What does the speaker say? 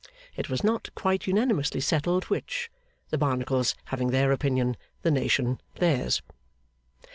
It was not quite unanimously settled which; the Barnacles having their opinion, the nation theirs.